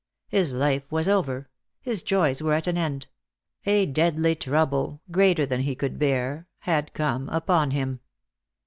His life was over, his joys were at an end; a deadly trouble, greater than he could bear, had come upon him.